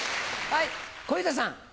はい小遊三さん。